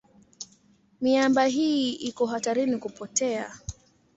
Miamba hii iko hatarini kupotea.